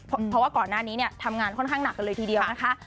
เพราะว่าก่อนหน้านี้เนี่ยทำงานค่อนข้างหนักกันเลยทีเดียวนะคะ